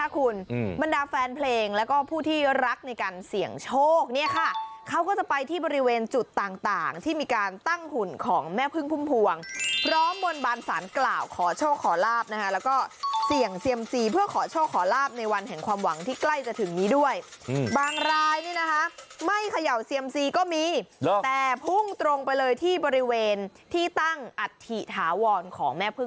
เขาก็จะไปที่บริเวณจุดต่างต่างที่มีการตั้งหุ่นของแม่พึ่งพุ่มพวงพร้อมบนบานศาลกล่าวขอโชคขอลาภนะคะแล้วก็เสี่ยงเซียมซีเพื่อขอโชคขอลาภในวันแห่งความหวังที่ใกล้จะถึงนี้ด้วยอืมบางรายนี่นะคะไม่เขย่าเซียมซีก็มีหรอกแต่พุ่งตรงไปเลยที่บริเวณที่ตั้งอธิษฐาวรของแม่พึ่